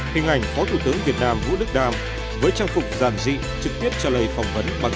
hình ảnh phó thủ tướng việt nam vũ đức đam với trang phục giàn dị trực tiếp trả lời phỏng vấn mang